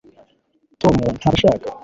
tom ntabashaka